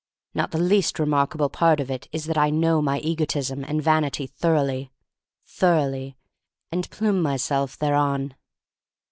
Not the least remarkable part of it is that I know my egotism and vanity thoroughly — thoroughly, and plume myself thereon.